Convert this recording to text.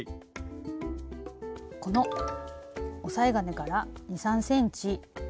この押さえ金から２３ｃｍ手前